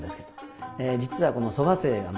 実はこの「そば清」